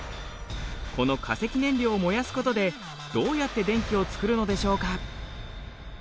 この化石燃料を燃やすことでどうやって電気を作るのでしょうか？